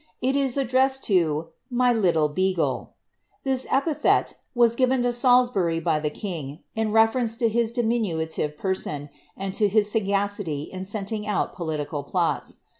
li is aii dresscd lo •* my lillle heagh ;" this epithet was given to Salisbury by the king, in reference lo his diminutive person, and to his saguciiy in sreni ing out political plots.